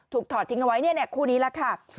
ถูกถอดทิ้งเอาไว้เนี่ยเนี่ยคู่นี้แหละค่ะครับ